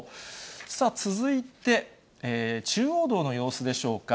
さあ、続いて、中央道の様子でしょうか。